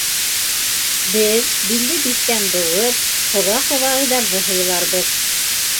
Беҙ, билде биштән быуып, ҡоҙа-ҡоҙағыйҙарҙы һыйларбыҙ.